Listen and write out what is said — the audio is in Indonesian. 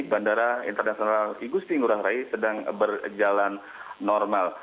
bandara internasional igusti ngurah rai sedang berjalan normal